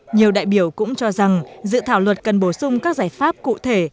nhiều đại biểu cũng cho rằng dự thảo luật cần bổ sung các giải pháp cụ thể